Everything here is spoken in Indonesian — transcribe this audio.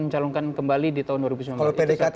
mencalonkan kembali di tahun dua ribu sembilan belas